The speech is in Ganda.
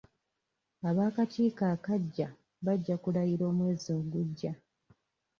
Ab'akakiiko akaggya bajja kulayira omwezi ogujja.